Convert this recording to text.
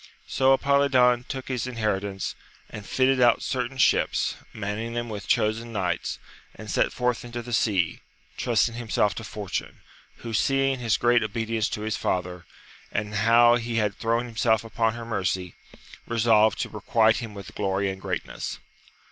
So Apolidon took his inheritance, and fitted out certain ships, manning them with chosen knights, and set forth into the sea, trusting himself to Fortune, who seeing his great obedience to his father, and how he had thrown himself upon her mercy, resolved to requite him with glory and greatness.